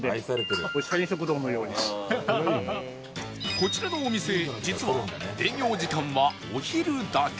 こちらのお店実は営業時間はお昼だけ